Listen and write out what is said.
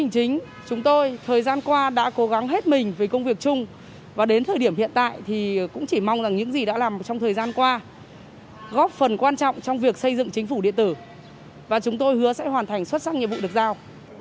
chính chúng tôi thời gian qua đã cố gắng hết mình với công việc chung và đến thời điểm hiện tại thì cũng chỉ mong rằng những gì đã làm trong thời gian qua góp phần quan trọng trong việc xây dựng chính phủ điện tử và chúng tôi hứa sẽ hoàn thành xuất sắc nhiệm vụ được giao